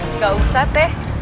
enggak usah teh